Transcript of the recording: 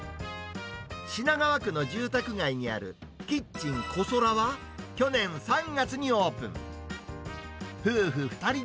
品川区の住宅街にあるキッチンコソラは、去年３月にオープン。